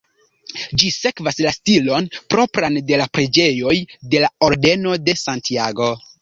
Ĝi sekvas la stilon propran de la preĝejoj de la Ordeno de Santiago.